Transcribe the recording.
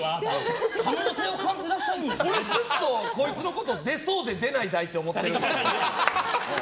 俺、ずっとこいつのことを出そうで出ない台と思ってるんで。